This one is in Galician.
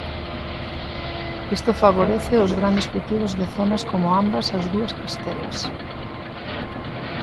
Isto favorece os grandes cultivos de zonas como ambas as dúas Castelas.